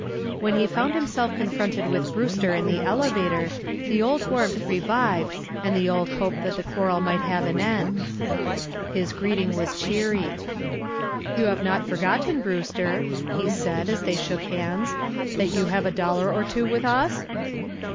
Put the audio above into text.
When he found himself confronted with Brewster in the elevator, the old warmth revived and the old hope that the quarrel might have an end. His greeting was cheery. "You have not forgotten, Brewster," he said, as they shook hands, "that you have a dollar or two with us?"